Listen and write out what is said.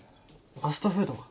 ファストフードは？